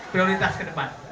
prioritas ke depan